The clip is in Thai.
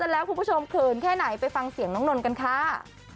แล้วคุณผู้ชมเขินแค่ไหนไปฟังเสียงน้องนนท์กันค่ะ